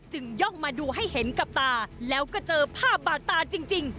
ย่องมาดูให้เห็นกับตาแล้วก็เจอภาพบาดตาจริง